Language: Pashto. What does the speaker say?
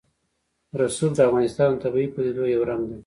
رسوب د افغانستان د طبیعي پدیدو یو رنګ دی.